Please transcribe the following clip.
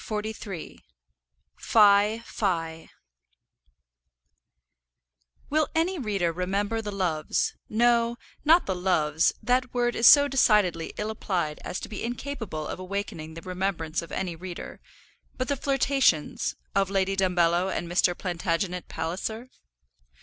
[ILLUSTRATION: (untitled)] Will any reader remember the loves, no, not the loves; that word is so decidedly ill applied as to be incapable of awakening the remembrance of any reader; but the flirtations of Lady Dumbello and Mr. Plantagenet Palliser?